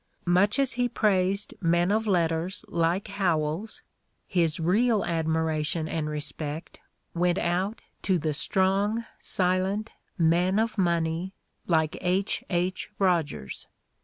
Much as he praised men of letters like Howells, his real admiration and respect went out to the "strong, silent men" of money like H. H. Rogers.